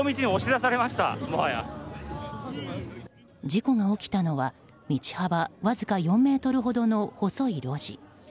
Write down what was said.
事故が起きたのは道幅わずか４ｍほどの細い路地。